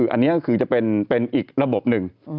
อันนี้ก็คือจะเป็นอีกระบบหนึ่ง